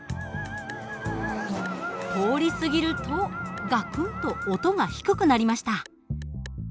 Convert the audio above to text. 通り過ぎるとガクンと音が低くなりました。